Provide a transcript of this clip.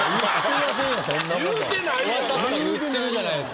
言ってるじゃないですか。